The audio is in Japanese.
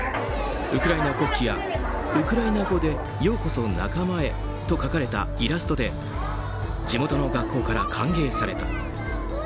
ウクライナ国旗やウクライナ語で「ようこそ仲間へ」と書かれたイラストで地元の学校から歓迎された。